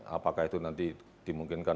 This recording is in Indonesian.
apakah itu nanti dimungkinkan